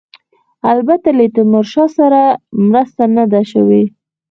البته له تیمورشاه سره مرسته نه ده شوې.